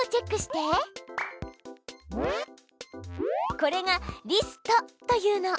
これがリストというの。